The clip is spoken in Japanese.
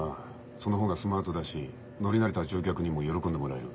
その方がスマートだし乗り慣れた乗客にも喜んでもらえる。